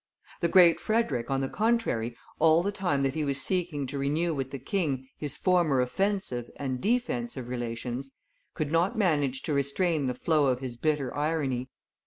The Great Frederick, on the contrary, all the time that he was seeking to renew with the king his former offensive and defensive relations, could not manage to restrain the flow of his bitter irony.